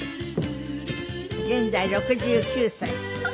現在６９歳。